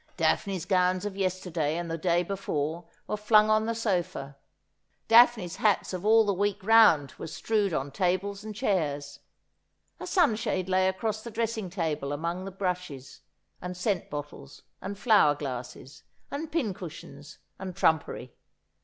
Daphne's gowns of yesterday and the day before were flung on the sofa. Daphne's hats of all the week round were strewed on tables and chairs. Her sunshade lay across the dressing table among the brushes, and scent bottles, and flower glasses, and pincushions, and trumpery.